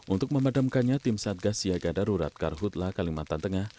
untuk memadamkannya tim satgas siaga darurat karhutla kalimantan tengah